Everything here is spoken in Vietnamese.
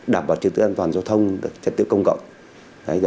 đảm bảo trực tiếp an toàn giao thông trật tự công cộng